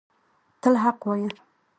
تل حق وایه